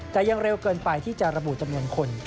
แต่ยังเร็วเกินไปที่จะระบุจำนวนคน